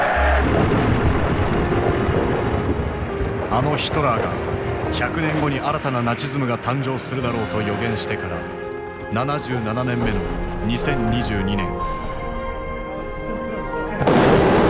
あのヒトラーが「１００年後に新たなナチズムが誕生するだろう」と予言してから７７年目の２０２２年。